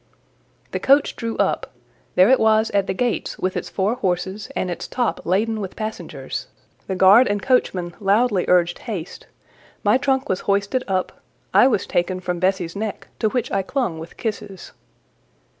The coach drew up; there it was at the gates with its four horses and its top laden with passengers: the guard and coachman loudly urged haste; my trunk was hoisted up; I was taken from Bessie's neck, to which I clung with kisses.